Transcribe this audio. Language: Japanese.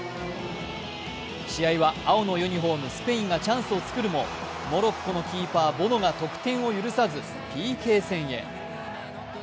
試合は青のユニフォーム、スペインがチャンスをつくるもモロッコのキーパー・ボノが得点を許さずＰＫ戦へ。